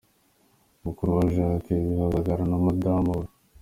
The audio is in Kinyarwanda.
Mukuru wa Jacques Bihozagara na Madame we